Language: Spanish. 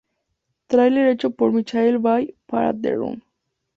Trailer hecho por Michael Bay para The Run